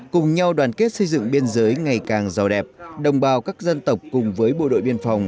cùng nhau đoàn kết xây dựng biên giới ngày càng giàu đẹp đồng bào các dân tộc cùng với bộ đội biên phòng